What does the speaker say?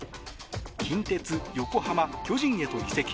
近鉄、横浜、巨人へと移籍。